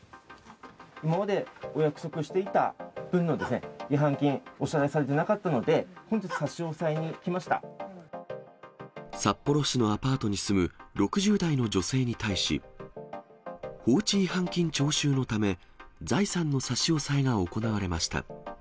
今までお約束していた分の違反金、お支払いされてなかったので、札幌市のアパートに住む６０代の女性に対し、放置違反金徴収のため、財産の差し押さえが行われました。